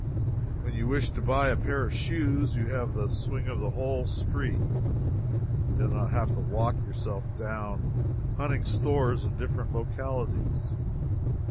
When you wish to buy a pair of shoes you have the swing of the whole street you do not have to walk yourself down hunting stores in different localities.